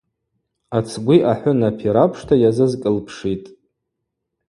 Ацгви ахӏвынапи рапшта йазазкӏылпшитӏ.